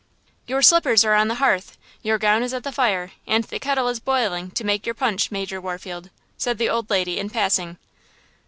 "Your slippers are on the hearth, your gown is at the fire and the kettle is boiling to make your punch, Major Warfield," said the old lady in passing.